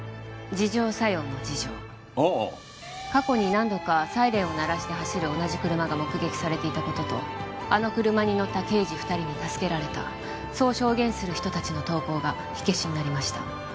自浄作用の自浄ああ過去に何度かサイレンを鳴らして走る同じ車が目撃されていたことと「あの車に乗った刑事２人に助けられた」そう証言する人達の投稿が火消しになりました